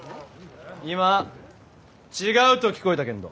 今「違う」と聞こえたけんど。